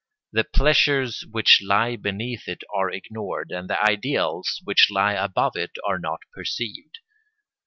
The pleasures which lie beneath it are ignored, and the ideals which lie above it are not perceived.